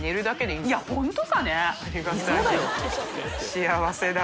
幸せだ。